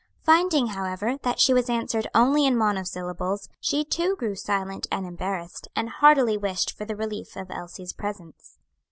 Finding, however, that she was answered only in monosyllables, she too grew silent and embarrassed, and heartily wished for the relief of Elsie's presence.